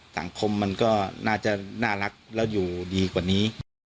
สังคมมันก็น่าจะน่ารักแล้วอยู่ดีกว่านี้